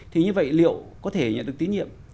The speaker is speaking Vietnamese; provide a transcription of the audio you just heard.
thì như vậy liệu có thể nhận được tín nhiệm